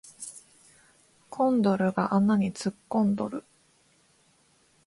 コンドルが穴に突っ込んどる